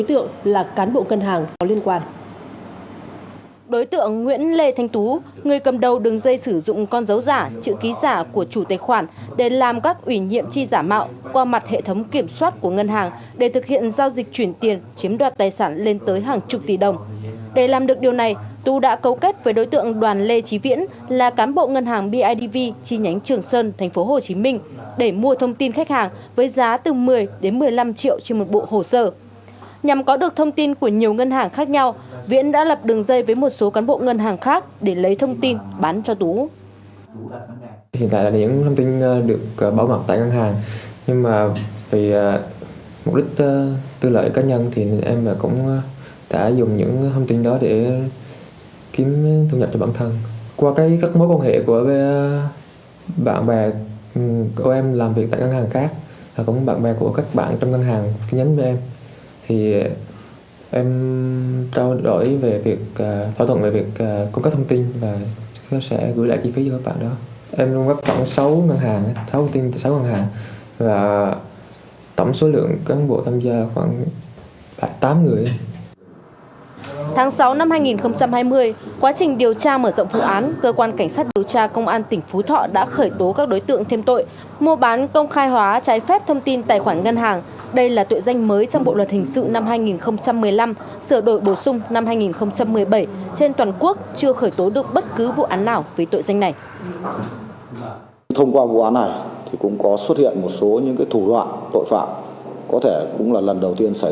tháng sáu năm hai nghìn hai mươi quá trình điều tra mở rộng vụ án cơ quan cảnh sát điều tra công an tỉnh phú thọ đã khởi tố các đối tượng thêm tội mua bán công khai hóa trái phép thông tin tài khoản ngân hàng đây là tội danh mới trong bộ luật hình sự năm hai nghìn một mươi năm sửa đổi bổ sung năm hai nghìn một mươi bảy trên toàn quốc chưa khởi tố được bất cứ vụ án nào với tội danh này